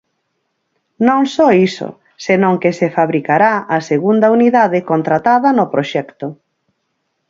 Non só iso senón que se fabricará a segunda unidade contratada no proxecto.